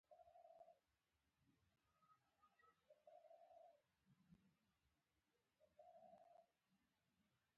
ځانونو څخه مو لږ څه انسانان جوړ کړل.